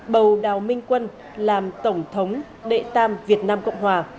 bầu đào minh quân làm tổng thống đệ tam việt nam cộng hòa